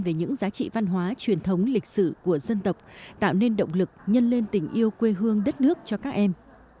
về những giá trị văn hóa truyền thống lịch sử của dân tộc tạo nên động lực nhân lên tình yêu quê hương đất nước cho các em